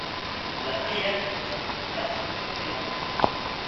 La prière y tient une place prépondérante.